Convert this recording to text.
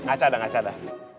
gak ada gak ada